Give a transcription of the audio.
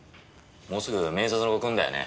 もうすぐ面接の子来るんだよね。